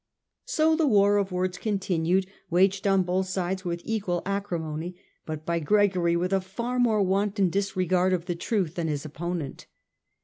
So the war of words continued, waged on both sides with equal acrimony, but by Gregory with a far more wanton disregard of the truth than his opponent.